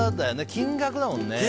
金額だもんね。